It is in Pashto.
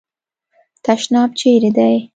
تشناب چیري دی ؟